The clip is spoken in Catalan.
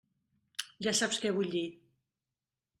Ja saps què vull dir.